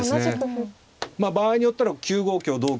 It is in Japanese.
まあ場合によったら９五香同香。